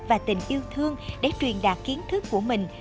và tình yêu thương để truyền đạt kiến thức của mình